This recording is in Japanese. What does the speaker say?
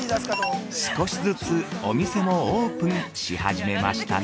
◆少しずつお店もオープンし始めましたね。